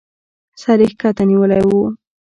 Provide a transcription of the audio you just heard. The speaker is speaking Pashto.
سر يې کښته نيولى و.